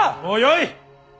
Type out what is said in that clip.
もうよい！